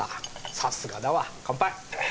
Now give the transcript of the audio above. さすがだわ乾杯。